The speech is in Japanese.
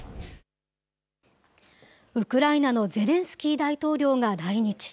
ウクライナのゼレンスキー大統領が来日。